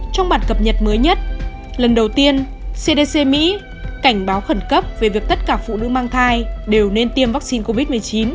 trong bản cập nhật mới nhất lần đầu tiên cdc mỹ cảnh báo khẩn cấp về việc tất cả phụ nữ mang thai đều nên tiêm vaccine covid một mươi chín